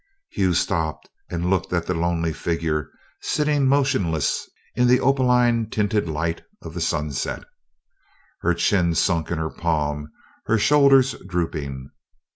Hugh stopped and looked at the lonely figure sitting motionless in the opaline tinted light of the sunset, her chin sunk in her palm, her shoulders drooping.